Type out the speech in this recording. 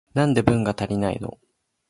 なんで文が足りないの？